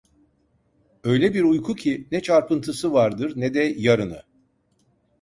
Öyle bir uyku ki, ne çarpıntısı vardır, ne de yarını…